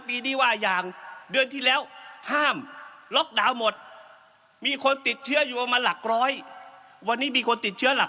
ภาคพิษดาลปี๗นักกู้แห่งรุ่มแม่น้ำเจ้าพญาตอนที่มีชื่อว่า